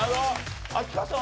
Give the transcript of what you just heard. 秋川さん